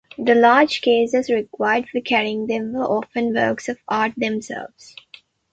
The large cases required for carrying them were often works of art themselves.